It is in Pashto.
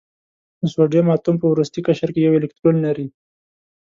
د سوډیم اتوم په وروستي قشر کې یو الکترون لري.